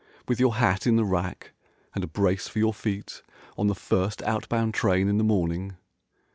With your hat in the rack and a brace for your feet On the first out bound train in the morning?